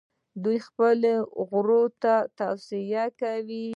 دوی خپلو غړو ته توصیه کوي.